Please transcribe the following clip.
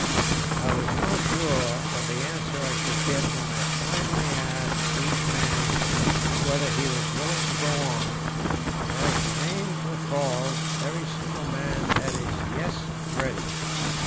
I was now sure of the answer I should get when I finally asked each man whether he was willing to go on, and as the names were called, every single man had his "Yes" ready.